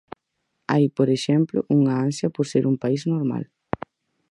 Hai, por exemplo, unha ansia por ser un "país normal".